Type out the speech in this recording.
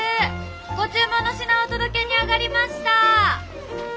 ご注文の品お届けにあがりました。